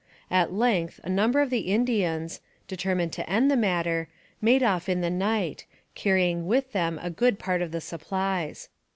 At length a number of the Indians, determined to end the matter, made off in the night, carrying with them a good part of the supplies.